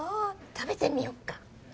食べてみよっか？